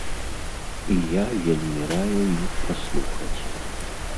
І я вельмі раю іх паслухаць.